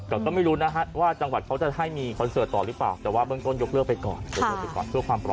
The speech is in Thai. แต่ก็ไม่รู้นะคะว่าจังหวัดเขาจะให้มีคอนเสิร์ตต่อหรือเปล่าแต่ว่าเบื้องต้นยกเลิกไปก่อน